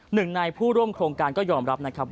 หนึ่งในผู้ร่วมโครงการก็ยอมรับนะครับ